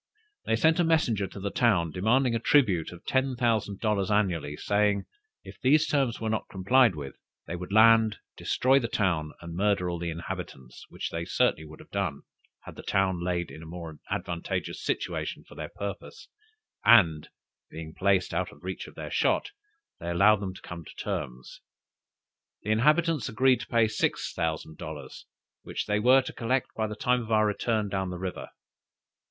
They sent a messenger to the town, demanding a tribute of ten thousand dollars annually, saying, if these terms were not complied with, they would land, destroy the town, and murder all the inhabitants: which they would certainly have done, had the town laid in a more advantageous situation for their purpose; but being placed out of the reach of their shot, they allowed them to come to terms. The inhabitants agreed to pay six thousand dollars, which they were to collect by the time of our return down the river.